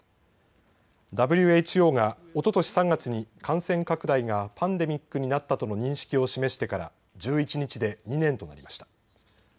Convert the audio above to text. ＷＨＯがおととし３月に感染拡大がパンデミックになったとの認識を示してから１１日で２年となりました。